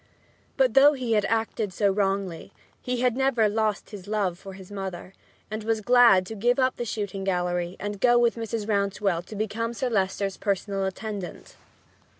But though he had acted so wrongly he had never lost his love for his mother, and was glad to give up the shooting gallery and go with Mrs. Rouncewell to become Sir Leicester's personal attendant.